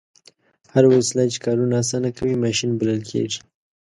هره وسیله چې کارونه اسانه کوي ماشین بلل کیږي.